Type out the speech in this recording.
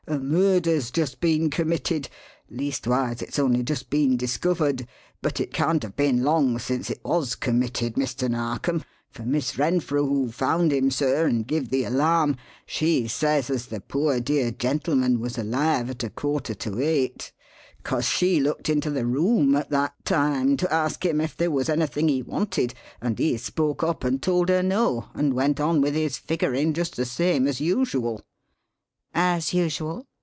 A murder's just been committed leastwise it's only just been discovered; but it can't have been long since it was committed, Mr. Narkom, for Miss Renfrew, who found him, sir, and give the alarm, she says as the poor dear gentleman was alive at a quarter to eight, 'cause she looked into the room at that time to ask him if there was anything he wanted, and he spoke up and told her no, and went on with his figgerin' just the same as usual." "As usual?"